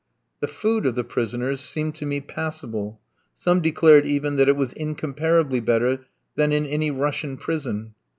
The food of the prisoners seemed to me passable; some declared even that it was incomparably better than in any Russian prison.